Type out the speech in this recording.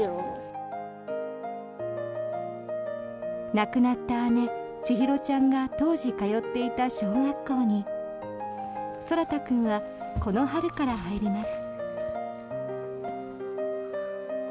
亡くなった姉・千空ちゃんが当時通っていた小学校に空太君はこの春から入ります。